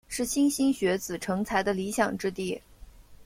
是莘莘学子成才的理想之地。